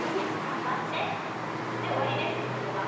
「頑張って！」で終わりです普通は。